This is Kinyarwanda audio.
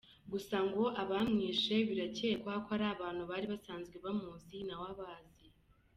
Gusa ngo abamwishe birakewka ko ari abantu bari basanzwe bamuzi nawe abazi.